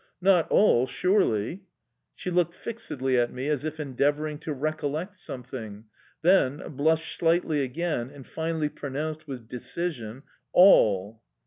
Not all, surely?" She looked fixedly at me as if endeavouring to recollect something, then blushed slightly again and finally pronounced with decision: "All!"